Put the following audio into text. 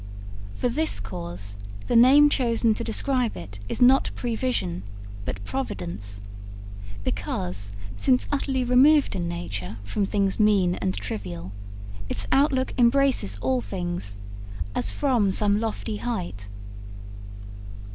For this cause the name chosen to describe it is not prevision, but providence, because, since utterly removed in nature from things mean and trivial, its outlook embraces all things as from some lofty height.